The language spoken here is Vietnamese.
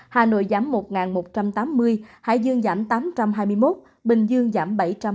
hà nội giảm một một trăm tám mươi hải dương giảm tám trăm hai mươi một bình dương giảm bảy trăm ba mươi